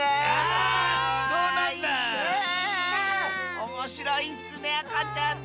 おもしろいッスねあかちゃんって！